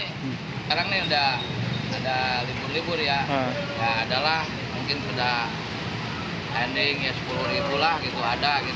sekarang ini sudah ada libur libur ya ya adalah mungkin sudah ending ya sepuluh ribu lah gitu ada